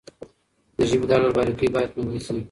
د ژبې دا ډول باريکۍ بايد خوندي شي.